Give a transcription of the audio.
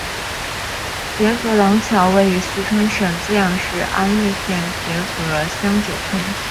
协和廊桥位于四川省资阳市安岳县协和乡九村。